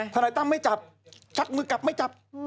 นายตั้มไม่จับชักมือกลับไม่จับ